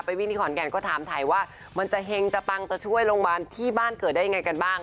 วิ่งที่ขอนแก่นก็ถามถ่ายว่ามันจะเห็งจะปังจะช่วยโรงพยาบาลที่บ้านเกิดได้ยังไงกันบ้าง